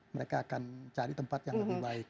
mereka akan cari tempat yang lebih baik